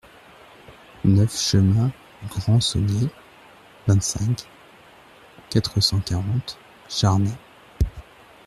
neuf chemin du Grand Saunier, vingt-cinq, quatre cent quarante, Charnay